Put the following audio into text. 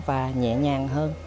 và nhẹ nhàng hơn